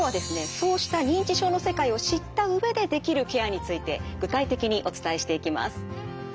そうした認知症の世界を知った上でできるケアについて具体的にお伝えしていきます。